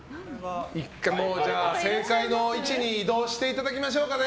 正解の位置に移動していただきましょうかね。